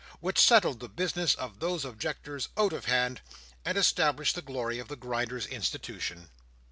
Which settled the business of those objectors out of hand, and established the glory of the Grinders' Institution.